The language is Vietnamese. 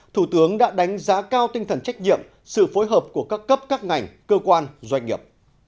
thủ tướng đã đánh giá cao tinh thần trách nhiệm sự phối hợp của các cấp các ngành cơ quan doanh nghiệp